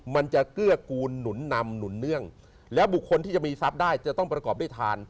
มันจะเกื้อกูลหนุนนำหนุนเนื่องแล้วบุคคลที่จะมีทรัพย์ได้จะต้องประกอบด้วยทาน